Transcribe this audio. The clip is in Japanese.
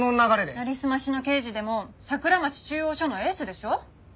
なりすましの刑事でも桜町中央署のエースでしょ。